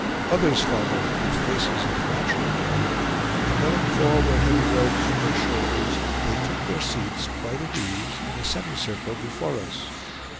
Others followed, with faces of the natural hue; and letting fall their heavy robes from their shoulders, they took their seats, quite at ease, in a semicircle before us.